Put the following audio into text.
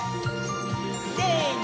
せの！